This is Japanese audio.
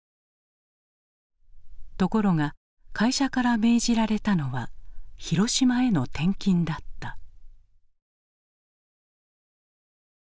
ところが会社から命じられたのは広島への転勤だった。